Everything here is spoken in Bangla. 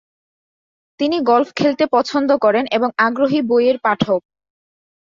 তিনি গল্ফ খেলতে পছন্দ করেন এবং আগ্রহী বইয়ের পাঠক।